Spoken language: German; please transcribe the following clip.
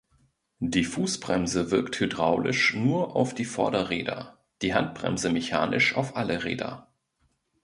Die Fußbremse wirkt hydraulisch nur auf die Vorderräder, die Handbremse mechanisch auf alle Räder.